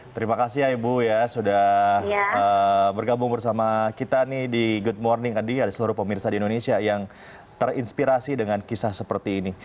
terima kasih ya ibu ya sudah bergabung bersama kita nih di good morning tadi ada seluruh pemirsa di indonesia yang terinspirasi dengan kisah seperti ini